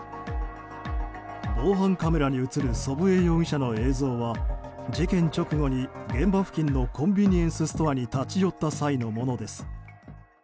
防犯カメラに映る祖父江容疑者の映像は事件直後に現場付近のコンビニエンスストアに立ち寄った際のものです。